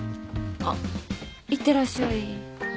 あっいってらっしゃい。